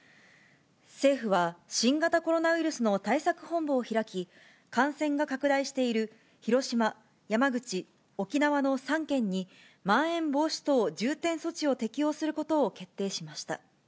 政府は、新型コロナウイルスの対策本部を開き、感染が拡大している広島、山口、沖縄の３県に、まん延防止等重点措置を適用することを決定しました。